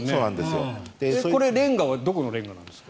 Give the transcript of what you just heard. これ、レンガは何処のレンガなんですか？